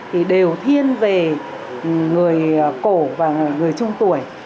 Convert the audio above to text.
thì đều thiên về người cổ và người trung tuổi